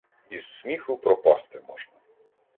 Із сміху пропасти можна.